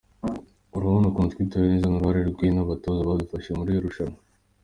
Urabona ukuntu twitwaye neza ni uruhare rwe n’abatoza badufashije muri iri rushanwa.